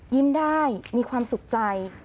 ยิ้มได้มีความสุขใจ